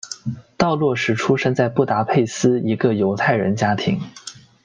道洛什出生在布达佩斯一个犹太人家庭。